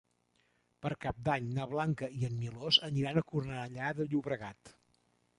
Per Cap d'Any na Blanca i en Milos aniran a Cornellà de Llobregat.